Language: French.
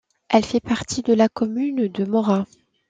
Elle fait partie de la commune de Mora.